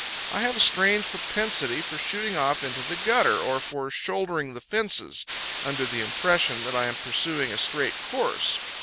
I have a strange propensity for shooting off into the gutter, or for shouldering the fences, under the impression that I am pursuing a straight course.